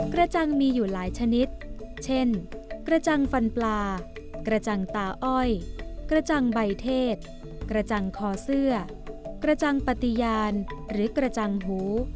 กระจังมีอยู่หลายชนิดเช่นกระจังฟันปลากระจังตาอ้อยกระจังใบเทศกระจังคอเสื้อกระจังปฏิญาณหรือกระจังหู